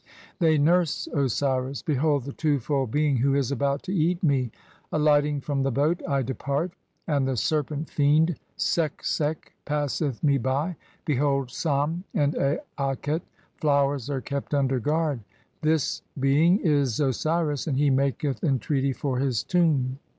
They "nurse Osiris. Behold the two fold being who is about to eat "me ! Alighting from the boat I depart (?), (3) and the serpent "fiend Seksek passeth me by. Behold sam and aaqet flowers "are kept under guard (?). This being is Osiris, and he maketh "entreaty for his tomb.